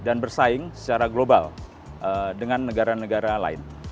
dan bersaing secara global dengan negara negara lain